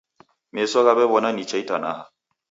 Meso ghaw'ew'ona nicha itanaha.